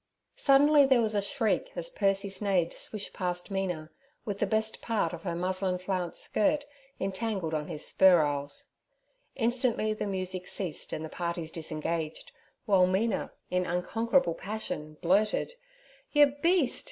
Suddenly there was a shriek as Percy Snade swished past Mina, with the best part of her muslin flounced skirt entangled on his spurrowels. Instantly the music ceased and the parties disengaged, while Mina, in unconquerable passion, blurted: 'Yer beast!